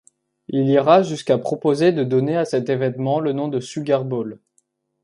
Il ira jusqu'à proposer de donner à cet événement le nom de Sugar Bowl.